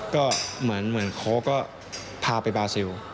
ก็เหมือนโค้กก็พาไปบาซิล